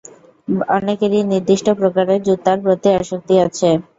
অনেকেরই নির্দিষ্ট প্রকারের জুতার প্রতি আসক্তি আছে।